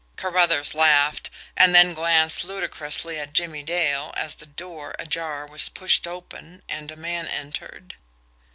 Carruthers laughed and then glanced ludicrously at Jimmie Dale, as the door, ajar, was pushed open, and a man entered.